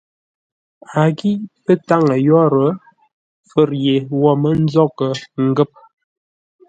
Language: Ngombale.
A ghîʼ pə́ táŋə yórə́ fə̌r yé wo mə́ nzóghʼə ngə̂p.